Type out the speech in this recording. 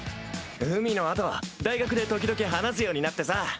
海のあと大学で時々話すようになってさ。